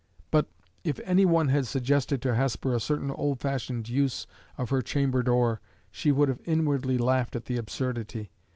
But, if any one had suggested to Hesper a certain old fashioned use of her chamber door, she would have inwardly laughed at the absurdity.